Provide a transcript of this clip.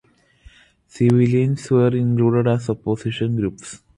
Civilians were included as opposition groups.